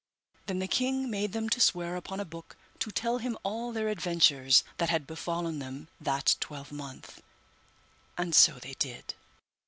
Then the king made them to swear upon a book to tell him all their adventures that had befallen them that twelvemonth, and so they did.